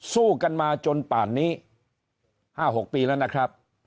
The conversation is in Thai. สู้กันมาจนป่านนี้๕๖ปีแล้วนะครับ